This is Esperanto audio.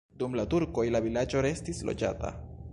Dum la turkoj la vilaĝo restis loĝata.